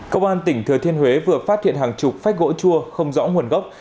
công an tỉnh thừa thiên huế vừa phát hiện hàng chục phách gỗ chua không rõ nguồn gốc